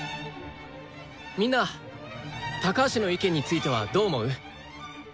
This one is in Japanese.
みんな高橋の意見についてはどう思う？